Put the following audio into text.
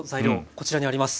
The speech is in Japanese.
こちらにあります。